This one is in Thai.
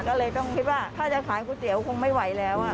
ก็เลยต้องคิดว่าถ้าจะขายก๋วยเตี๋ยวคงไม่ไหวแล้ว